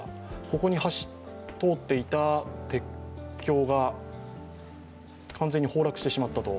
ここに通っていた鉄橋が完全に崩落してしまったと。